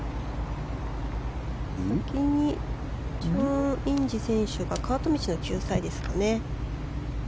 先にチョン・インジ選手がカート道の救済ですかね。